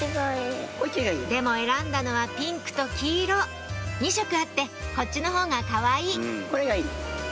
でも選んだのはピンクと黄色２色あってこっちのほうがかわいいこれがいいの？